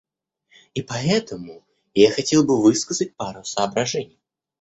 И поэтому я хотел бы высказать пару соображений.